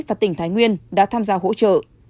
và tỉnh thái nguyên đã tham gia hỗ trợ